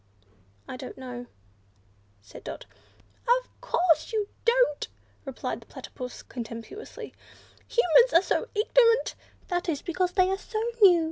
"I don't know," said Dot. "Of course you don't!" replied the Platypus, contemptuously, "Humans are so ignorant! That's because they are so new.